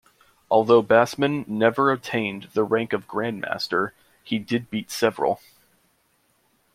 Although Basman never attained the rank of grandmaster, he did beat several.